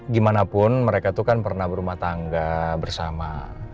gimanapun mereka itu kan pernah berumah tangga bersama